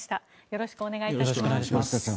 よろしくお願いします。